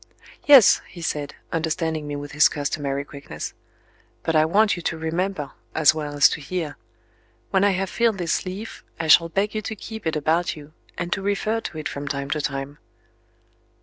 "Yes," he said, understanding me with his customary quickness; "but I want you to remember as well as to hear. When I have filled this leaf, I shall beg you to keep it about you, and to refer to it from time to time."